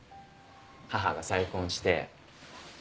母が再婚して。